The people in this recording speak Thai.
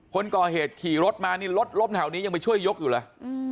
คนก่อเหตุขี่รถมานี่รถล้มแถวนี้ยังไปช่วยยกอยู่เลย